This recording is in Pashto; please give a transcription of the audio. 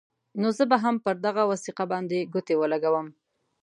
نو زه به هم پر دغه وثیقه باندې ګوتې ولګوم.